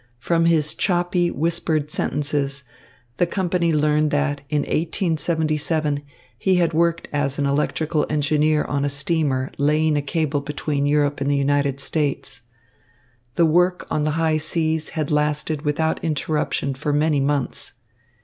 From his choppy, whispered sentences, the company learned that in 1877 he had worked as electrical engineer on a steamer laying a cable between Europe and the United States. The work on the high seas had lasted without interruption for many months.